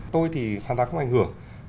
tôi thì hoàn toàn không ảnh hưởng